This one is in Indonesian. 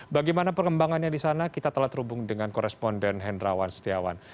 bagaimana perkembangannya di sana kita telah terhubung dengan koresponden hendrawan setiawan